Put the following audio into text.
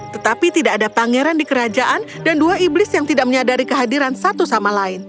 tetapi tidak ada pangeran di kerajaan dan dua iblis yang tidak menyadari kehadiran satu sama lain